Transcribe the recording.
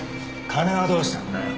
金はどうしたんだよ？